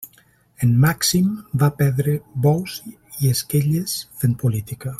En Màxim va perdre bous i esquelles, fent política.